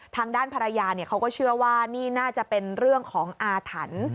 ทางด้านภรรยาเขาก็เชื่อว่านี่น่าจะเป็นเรื่องของอาถรรพ์